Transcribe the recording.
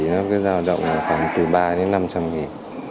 nó cứ giao động khoảng từ ba đến năm trăm linh nghìn